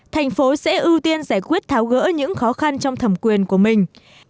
thành phố sẽ ưu tiên giải quyết tháo gỡ những khó khăn trong thẩm quyền của mình